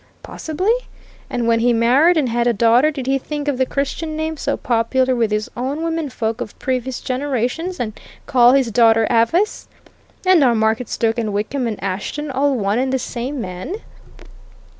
Possibly! And when he married, and had a daughter, did he think of the Christian name so popular with his own womenfolk of previous generations, and call his daughter Avice? And are Marketstoke and Wickham and Ashton all one and the same man?"